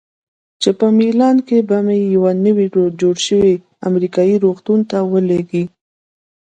چې په میلان کې به مې یوه نوي جوړ شوي امریکایي روغتون ته ولیږي.